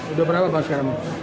udah berapa bang sekarang